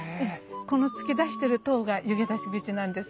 この突き出してる塔が湯気出し口なんです。